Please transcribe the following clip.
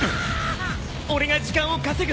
俺が時間を稼ぐ。